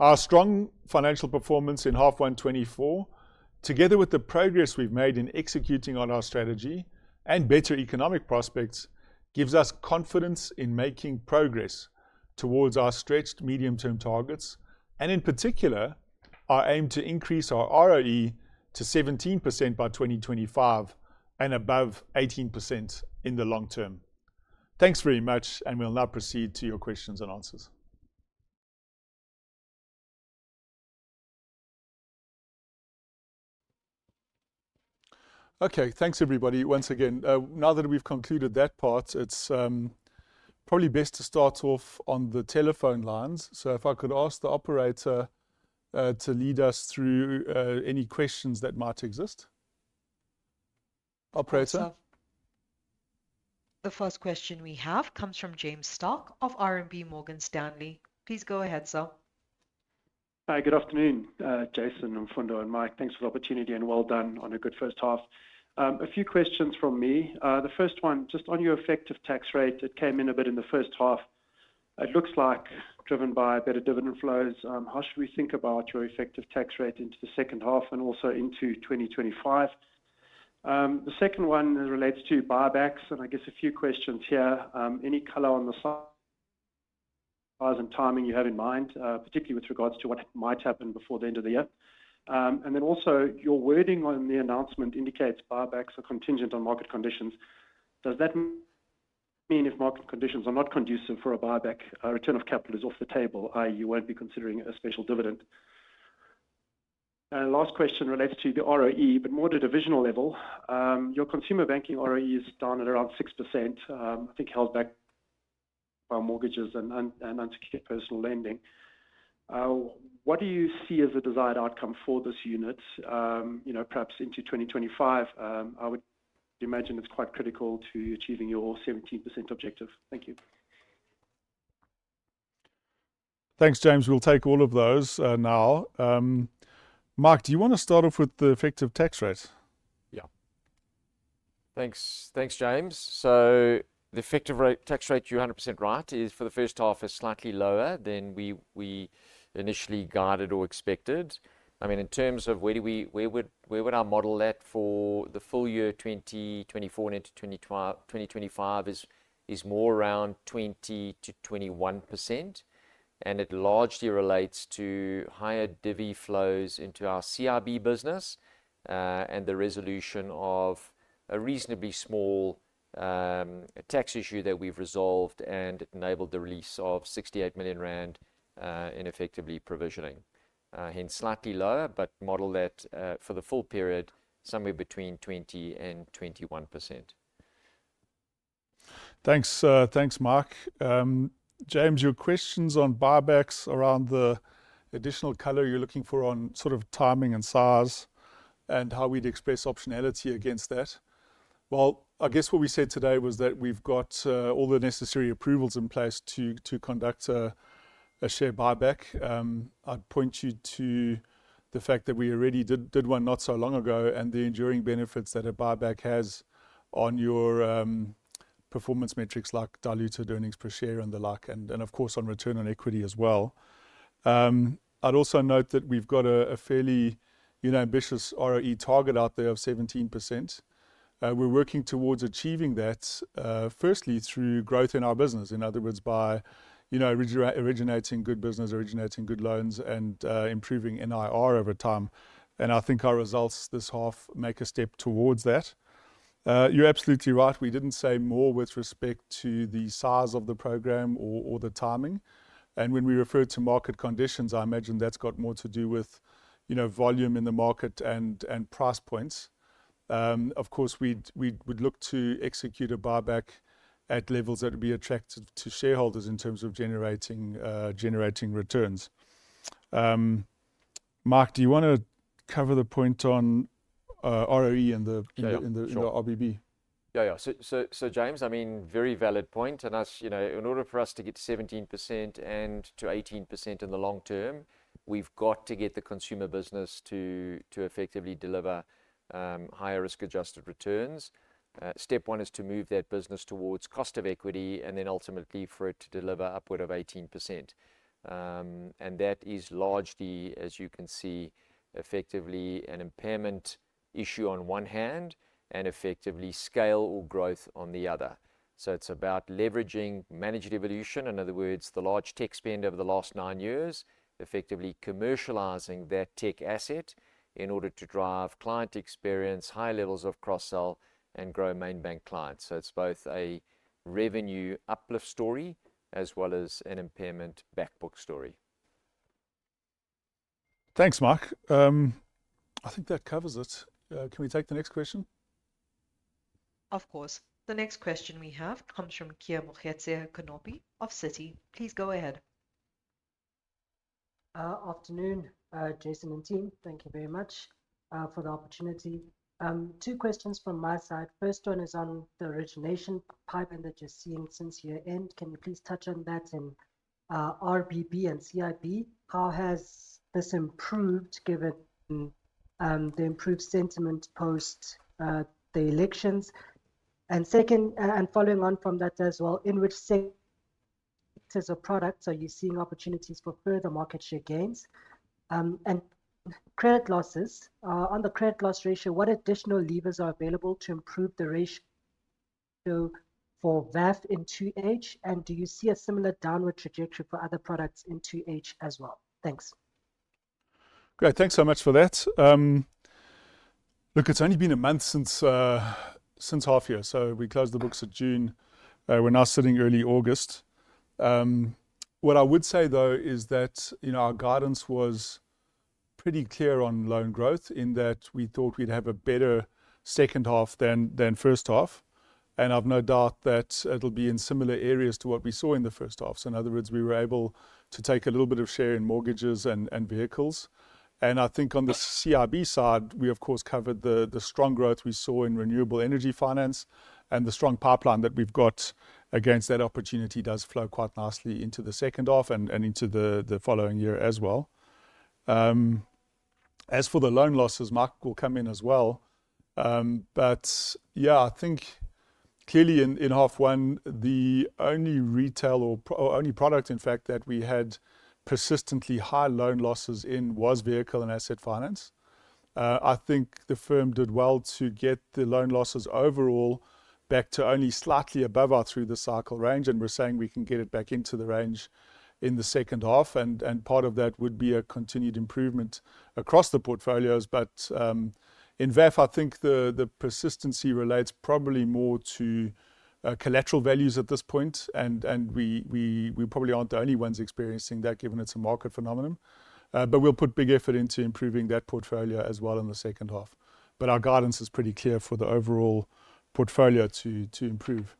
Our strong financial performance in half one 2024, together with the progress we've made in executing on our strategy and better economic prospects, gives us confidence in making progress towards our stretched medium-term targets, and in particular, our aim to increase our ROE to 17% by 2025, and above 18% in the long term. Thanks very much, and we'll now proceed to your questions and answers. Okay. Thanks, everybody, once again. Now that we've concluded that part, it's probably best to start off on the telephone lines. So if I could ask the operator to lead us through any questions that might exist. Operator? The first question we have comes from James Starke of RMB Morgan Stanley. Please go ahead, sir. Hi, good afternoon, Jason, Mfundo, and Mike. Thanks for the opportunity, and well done on a good first half. A few questions from me. The first one, just on your effective tax rate, it came in a bit in the first half. It looks like driven by better dividend flows. How should we think about your effective tax rate into the second half and also into 2025? The second one relates to buybacks, and I guess a few questions here. Any color on the size and timing you have in mind, particularly with regards to what might happen before the end of the year. And then also, your wording on the announcement indicates buybacks are contingent on market conditions. Does that mean if market conditions are not conducive for a buyback, a return of capital is off the table, i.e., you won't be considering a special dividend? Last question relates to the ROE, but more at a divisional level. Your consumer banking ROE is down at around 6%, I think held back by mortgages and unsecured personal lending. What do you see as the desired outcome for this unit, you know, perhaps into 2025? I would imagine it's quite critical to achieving your 17% objective. Thank you. Thanks, James. We'll take all of those, now. Mike, do you wanna start off with the effective tax rate? Yeah. Thanks. Thanks, James. So the effective tax rate, you're 100% right, is for the first half slightly lower than we initially guided or expected. I mean, in terms of where would our model at for the full year 2024 and into 2025 is more around 20%-21%, and it largely relates to higher divvy flows into our CIB business and the resolution of a reasonably small tax issue that we've resolved and enabled the release of 68 million rand in effectively provisioning. Hence slightly lower, but model that for the full period somewhere between 20% and 21%. Thanks, thanks, Mike. James, your questions on buybacks around the additional color you're looking for on sort of timing and size, and how we'd express optionality against that. Well, I guess what we said today was that we've got all the necessary approvals in place to conduct a share buyback. I'd point you to the fact that we already did one not so long ago, and the enduring benefits that a buyback has on your performance metrics like diluted earnings per share and the like, and of course, on return on equity as well. I'd also note that we've got a fairly, you know, ambitious ROE target out there of 17%. We're working towards achieving that, firstly through growth in our business. In other words, by, you know, originating good business, originating good loans, and improving NIR over time. And I think our results this half make a step towards that. You're absolutely right. We didn't say more with respect to the size of the program or the timing. And when we referred to market conditions, I imagine that's got more to do with, you know, volume in the market and price points. Of course, we would look to execute a buyback at levels that would be attractive to shareholders in terms of generating returns. Mike, do you wanna cover the point on ROE in the- Yeah... in the RBB? Yeah, yeah. So, so, so James, I mean, very valid point, and as you know, in order for us to get to 17% and to 18% in the long term, we've got to get the consumer business to, to effectively deliver, higher risk-adjusted returns. Step one is to move that business towards cost of equity, and then ultimately for it to deliver upward of 18%. And that is largely, as you can see, effectively an impairment issue on one hand, and effectively scale or growth on the other. So it's about leveraging Managed Evolution, in other words, the large tech spend over the last nine years, effectively commercializing that tech asset in order to drive client experience, high levels of cross-sell, and grow main bank clients. So it's both a revenue uplift story as well as an impairment back book story.... Thanks, Mike. I think that covers it. Can we take the next question? Of course. The next question we have comes from Keamogetse Konopi of Citi. Please go ahead. Afternoon, Jason and team. Thank you very much for the opportunity. Two questions from my side. First one is on the origination pipeline that you're seeing since year-end. Can you please touch on that in RBB and CIB? How has this improved, given the improved sentiment post the elections? And second, and following on from that as well, in which sectors or products are you seeing opportunities for further market share gains? And credit losses. On the credit loss ratio, what additional levers are available to improve the ratio for VAF in 2H, and do you see a similar downward trajectory for other products in 2H as well? Thanks. Great, thanks so much for that. Look, it's only been a month since half year, so we closed the books at June. We're now sitting early August. What I would say, though, is that, you know, our guidance was pretty clear on loan growth in that we thought we'd have a better second half than first half, and I've no doubt that it'll be in similar areas to what we saw in the first half. So in other words, we were able to take a little bit of share in mortgages and vehicles. And I think on the CIB side, we of course covered the strong growth we saw in renewable energy finance and the strong pipeline that we've got against that opportunity does flow quite nicely into the second half and into the following year as well. As for the loan losses, Mike will come in as well. But yeah, I think clearly in half one, the only retail or only product, in fact, that we had persistently high loan losses in was Vehicle and Asset Finance. I think the firm did well to get the loan losses overall back to only slightly above our through-the-cycle range, and we're saying we can get it back into the range in the second half, and part of that would be a continued improvement across the portfolios. But in VAF, I think the persistency relates probably more to collateral values at this point, and we probably aren't the only ones experiencing that, given it's a market phenomenon. But we'll put big effort into improving that portfolio as well in the second half. But our guidance is pretty clear for the overall portfolio to improve.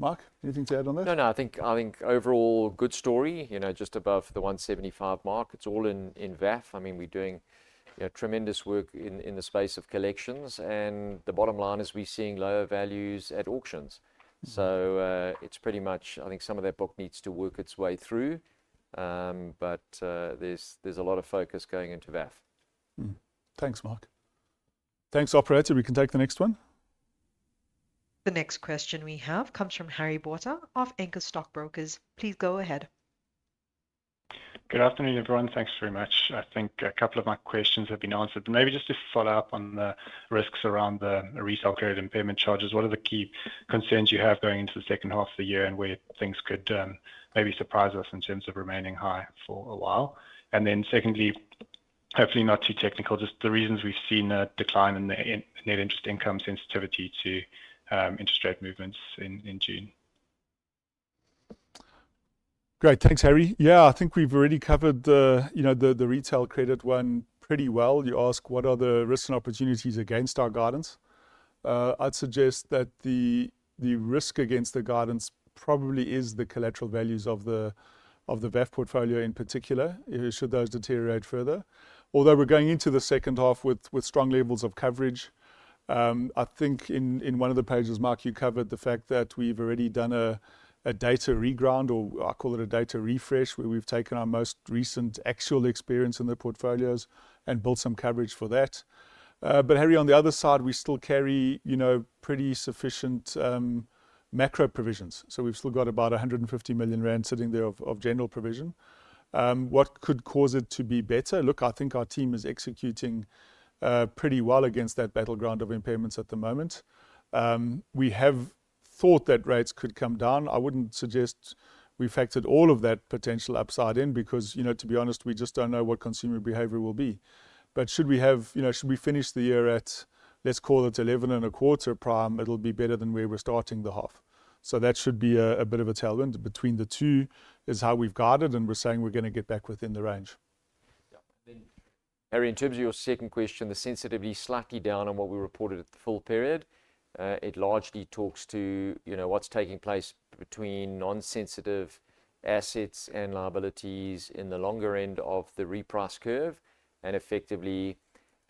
Mike, anything to add on that? No, no, I think, I think overall good story, you know, just above the 175 mark. It's all in VAF. I mean, we're doing tremendous work in the space of collections, and the bottom line is we're seeing lower values at auctions. Mm. So, it's pretty much... I think some of that book needs to work its way through. But there's a lot of focus going into VAF. Mm. Thanks, Mike. Thanks, operator. We can take the next one. The next question we have comes from Harry Botha of Anchor Stockbrokers. Please go ahead. Good afternoon, everyone. Thanks very much. I think a couple of my questions have been answered, but maybe just to follow up on the risks around the retail credit impairment charges. What are the key concerns you have going into the second half of the year and where things could maybe surprise us in terms of remaining high for a while? And then secondly, hopefully not too technical, just the reasons we've seen a decline in the net interest income sensitivity to interest rate movements in June. Great. Thanks, Harry. Yeah, I think we've already covered, you know, the retail credit one pretty well. You ask what are the risks and opportunities against our guidance. I'd suggest that the risk against the guidance probably is the collateral values of the VAF portfolio in particular, should those deteriorate further. Although we're going into the second half with strong levels of coverage, I think in one of the pages, Mike, you covered the fact that we've already done a data reground, or I call it a data refresh, where we've taken our most recent actual experience in the portfolios and built some coverage for that. But Harry, on the other side, we still carry, you know, pretty sufficient macro provisions. So we've still got about 150 million rand sitting there of general provision. What could cause it to be better? Look, I think our team is executing pretty well against that battleground of impairments at the moment. We have thought that rates could come down. I wouldn't suggest we factored all of that potential upside in because, you know, to be honest, we just don't know what consumer behavior will be. But should we have - you know, should we finish the year at, let's call it 11.25 prime, it'll be better than where we're starting the half. So that should be a bit of a tailwind. Between the two is how we've guided, and we're saying we're gonna get back within the range. Yeah. Then, Harry, in terms of your second question, the sensitivity is slightly down on what we reported at the full period. It largely talks to, you know, what's taking place between non-sensitive assets and liabilities in the longer end of the reprice curve, and effectively,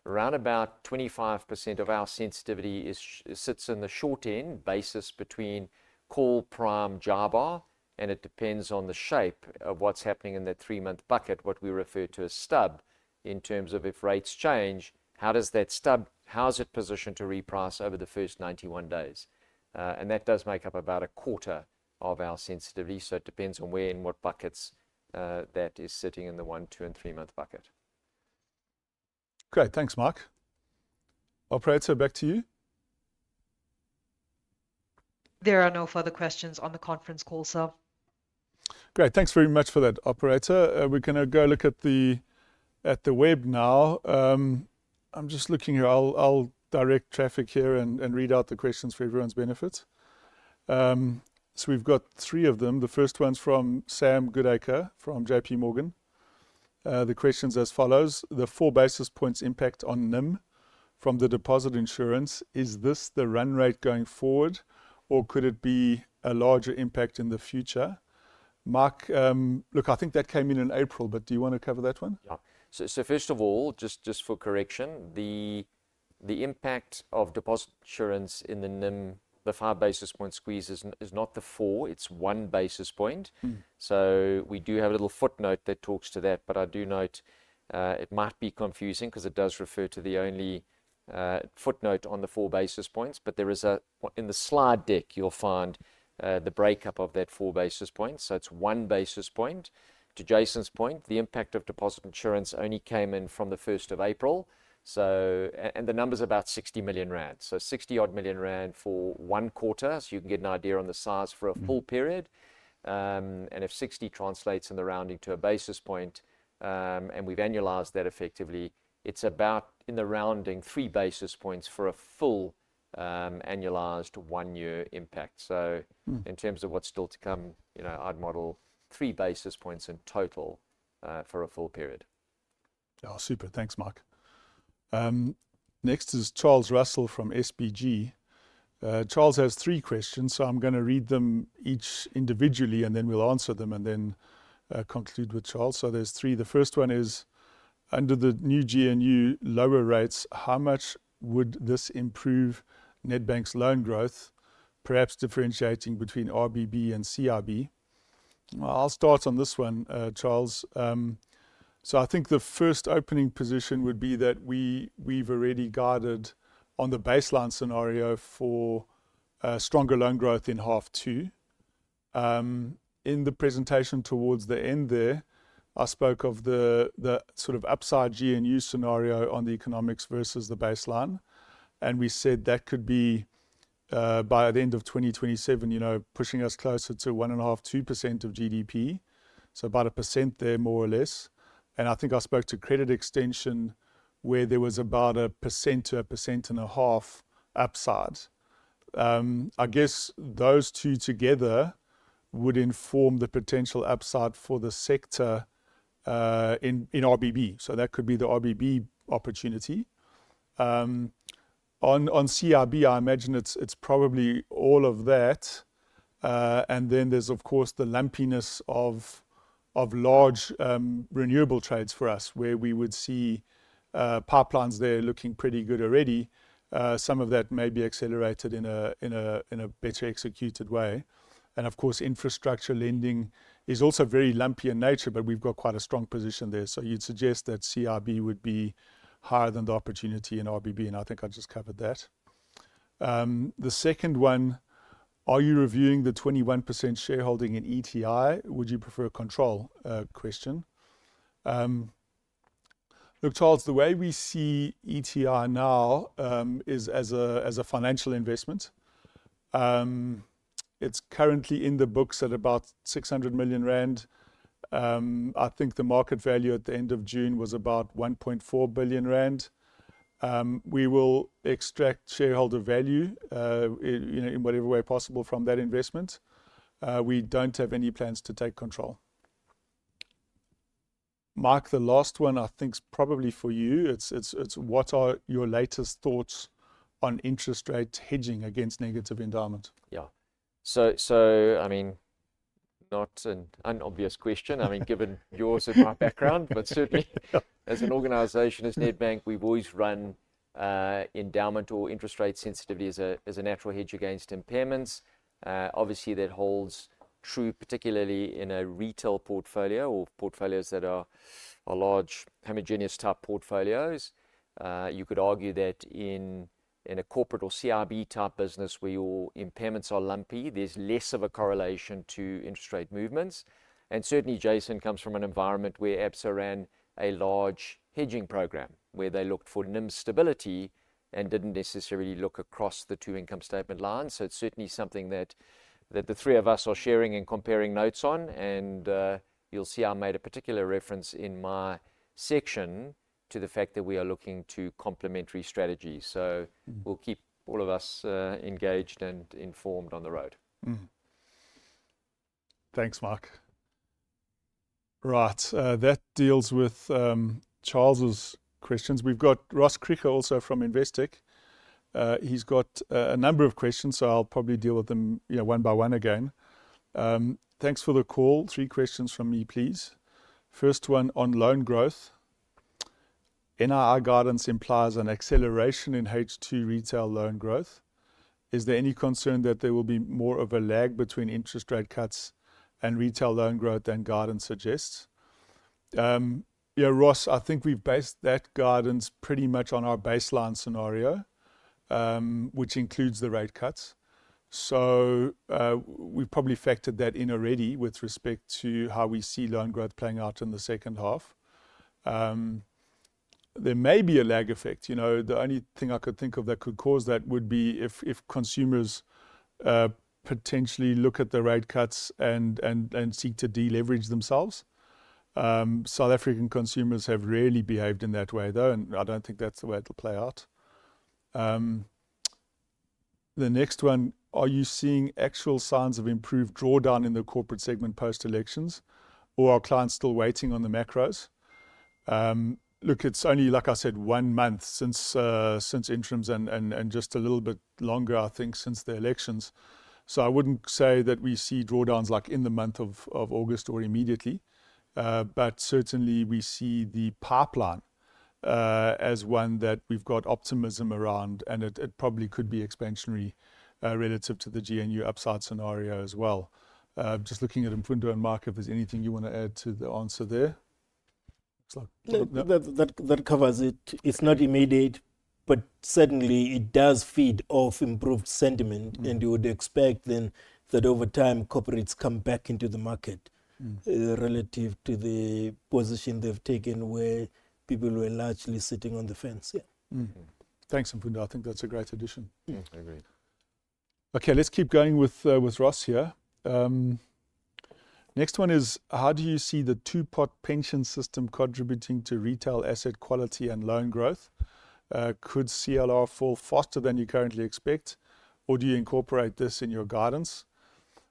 around about 25% of our sensitivity is, sits in the short end basis between call prime JIBAR, and it depends on the shape of what's happening in that three-month bucket, what we refer to as stub. In terms of if rates change, how does that stub, how is it positioned to reprice over the first 91 days? And that does make up about a quarter of our sensitivity, so it depends on where and what buckets, that is sitting in the one, two, and three-month bucket. Great. Thanks, Mike. Operator, back to you. There are no further questions on the conference call, sir. Great. Thanks very much for that, operator. We're gonna go look at the web now. I'm just looking here. I'll direct traffic here and read out the questions for everyone's benefit. So we've got three of them. The first one's from Sam Goodacre from J.P. Morgan. The question's as follows: the four basis points impact on NIM from the deposit insurance, is this the run rate going forward, or could it be a larger impact in the future? Mike, look, I think that came in in April, but do you want to cover that one? Yeah. So first of all, just for correction, the impact of deposit insurance in the NIM, the five basis point squeeze is not the four, it's one basis point. Mm. So we do have a little footnote that talks to that, but I do note, it might be confusing because it does refer to the only footnote on the four basis points. But there is. In the slide deck, you'll find the breakup of that four basis points. So it's one basis point. To Jason's point, the impact of deposit insurance only came in from the 1st of April, so... and the number's about 60 million rand. So 60-odd million rand for one quarter, so you can get an idea on the size for a full period. Mm. If 60 translates in the rounding to a basis point, and we've annualized that effectively, it's about, in the rounding, three basis points for a full, annualized one-year impact. Mm. So in terms of what's still to come, you know, I'd model three basis points in total for a full period. Oh, super. Thanks, Mike. Next is Charles Russell from SBG. Charles has three questions, so I'm going to read them each individually, and then we'll answer them and then conclude with Charles. So there's three. The first one is, "Under the new GNU lower rates, how much would this improve Nedbank's loan growth, perhaps differentiating between RBB and CIB?" Well, I'll start on this one, Charles. So I think the first opening position would be that we, we've already guided on the baseline scenario for stronger loan growth in half two. In the presentation towards the end there, I spoke of the sort of upside GNU scenario on the economics versus the baseline, and we said that could be by the end of 2027, you know, pushing us closer to 1.5%-2% of GDP, so about 1% there, more or less. I think I spoke to credit extension, where there was about 1%-1.5% upside. I guess those two together would inform the potential upside for the sector in RBB. So that could be the RBB opportunity. On CIB, I imagine it's probably all of that. And then there's, of course, the lumpiness of large renewable trades for us, where we would see pipelines there looking pretty good already. Some of that may be accelerated in a better executed way. And of course, infrastructure lending is also very lumpy in nature, but we've got quite a strong position there. So you'd suggest that CIB would be higher than the opportunity in RBB, and I think I just covered that. The second one: "Are you reviewing the 21% shareholding in ETI? Would you prefer a control question?" Look, Charles, the way we see ETI now is as a financial investment. It's currently in the books at about 600 million rand. I think the market value at the end of June was about 1.4 billion rand. We will extract shareholder value in whatever way possible from that investment. We don't have any plans to take control. Mike, the last one I think is probably for you. It's what are your latest thoughts on interest rate hedging against negative endowment? Yeah. So, I mean, not an unobvious question... I mean, given yours and my background. But certainly, as an organization, as Nedbank, we've always run endowment or interest rate sensitivity as a natural hedge against impairments. Obviously, that holds true, particularly in a retail portfolio or portfolios that are large, homogeneous-type portfolios. You could argue that in a corporate or CIB-type business where your impairments are lumpy, there's less of a correlation to interest rate movements. And certainly, Jason comes from an environment where Absa ran a large hedging program, where they looked for NIM stability and didn't necessarily look across the two income statement lines. So it's certainly something that the three of us are sharing and comparing notes on. You'll see I made a particular reference in my section to the fact that we are looking to complementary strategies. Mm. We'll keep all of us engaged and informed on the road. Thanks, Mike. Right, that deals with Charles's questions. We've got Ross Crutchley also from Investec. He's got a number of questions, so I'll probably deal with them, you know, one by one again. "Thanks for the call. Three questions from me, please. First one on loan growth. NII guidance implies an acceleration in H2 retail loan growth. Is there any concern that there will be more of a lag between interest rate cuts and retail loan growth than guidance suggests?" Yeah, Ross, I think we've based that guidance pretty much on our baseline scenario, which includes the rate cuts. So, we've probably factored that in already with respect to how we see loan growth playing out in the second half. There may be a lag effect. You know, the only thing I could think of that could cause that would be if consumers potentially look at the rate cuts and seek to deleverage themselves. South African consumers have rarely behaved in that way, though, and I don't think that's the way it'll play out. The next one: Are you seeing actual signs of improved drawdown in the corporate segment post-elections, or are clients still waiting on the macros? Look, it's only, like I said, one month since interims and just a little bit longer, I think, since the elections. So I wouldn't say that we see drawdowns like in the month of August or immediately. But certainly we see the pipeline as one that we've got optimism around, and it probably could be expansionary relative to the GNU upside scenario as well. Just looking at Mfundo and Mike, if there's anything you want to add to the answer there. Looks like- That covers it. It's not immediate, but certainly it does feed off improved sentiment. Mm. You would expect then that over time, corporates come back into the market- Mm... relative to the position they've taken, where people were largely sitting on the fence. Yeah. Mm-hmm. Thanks, Mfundo. I think that's a great addition. Yeah, I agree. Okay, let's keep going with with Ross here. Next one is: How do you see the Two-Pot pension system contributing to retail asset quality and loan growth? Could CLR fall faster than you currently expect, or do you incorporate this in your guidance?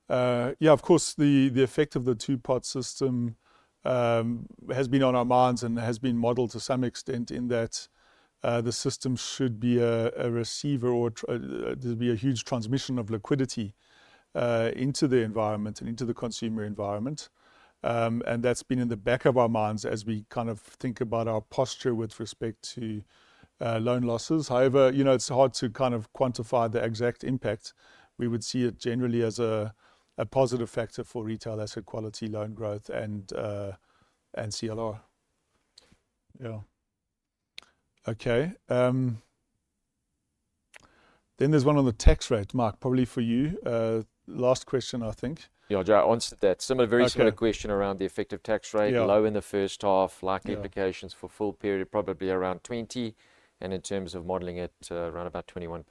Yeah, of course, the effect of the Two-Pot system has been on our minds and has been modeled to some extent in that the system should be a receiver or there'd be a huge transmission of liquidity into the environment and into the consumer environment. And that's been in the back of our minds as we kind of think about our posture with respect to loan losses. However, you know, it's hard to kind of quantify the exact impact. We would see it generally as a positive factor for retail asset quality, loan growth, and CLR. Yeah. Okay, then there's one on the tax rate. Mike, probably for you. Last question, I think. Yeah, I answered that. Okay. Similar, very similar question around the effective tax rate. Yeah. Low in the first half. Yeah. Likely implications for full period, probably around 20, and in terms of modeling it, around about 21%-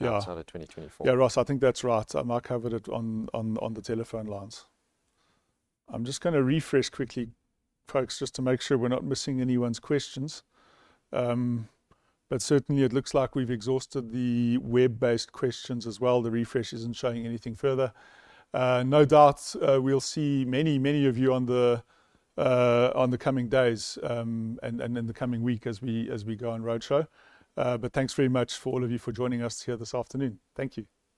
Yeah... outside of 2024. Yeah, Ross, I think that's right. Mike covered it on the telephone lines. I'm just gonna refresh quickly, folks, just to make sure we're not missing anyone's questions. But certainly it looks like we've exhausted the web-based questions as well. The refresh isn't showing anything further. No doubts, we'll see many, many of you on the coming days, and in the coming week as we go on roadshow. But thanks very much for all of you for joining us here this afternoon. Thank you.